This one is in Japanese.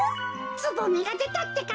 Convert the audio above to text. つぼみがでたってか。